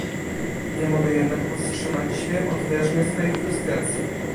Nie mogę jednak powstrzymać się od wyrażenia swojej frustracji